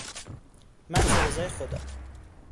محض رضای خدا